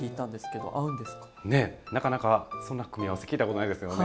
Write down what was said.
ねえなかなかそんな組み合わせ聞いたことないですよね？